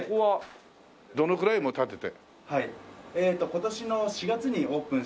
今年の４月にオープンしました。